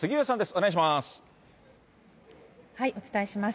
お願いします。